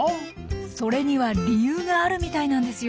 それには理由があるみたいなんですよ。